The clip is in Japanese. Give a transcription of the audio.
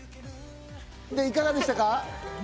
いかがでしたか？